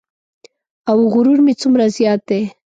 او غرور مې څومره زیات دی.